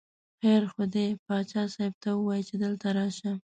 خیر خو دی، باچا صاحب ته ووایه چې دلته راشه.